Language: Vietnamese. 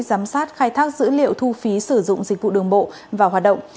giám sát khai thác dữ liệu thu phí sử dụng dịch vụ đường bộ vào hoạt động